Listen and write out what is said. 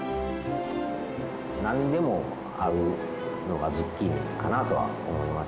何にでも合うのがズッキーニかなとは思います。